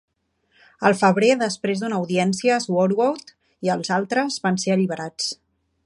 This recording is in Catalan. Al febrer, després d'una audiència, Swartwout i els altres van ser alliberats.